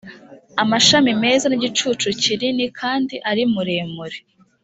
amashami meza n igicucu kinini kandi ari muremure